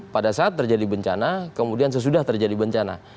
pada saat terjadi bencana kemudian sesudah terjadi bencana